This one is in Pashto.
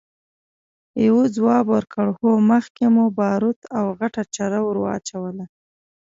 يوه ځواب ورکړ! هو، مخکې مو باروت او غټه چره ور واچوله!